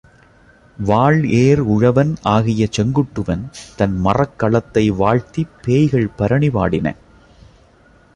வாள்ஏர் உழவன் ஆகிய செங்குட்டுவன் தன் மறக்களத்தை வாழ்த்திப் பேய்கள் பரணி பாடின.